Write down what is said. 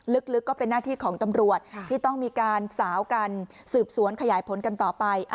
ลึกก็เป็นหน้าที่ของตำรวจที่ต้องมีการสาวกันสืบสวนขยายผลกันต่อไป